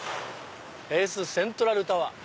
八重洲セントラルタワー！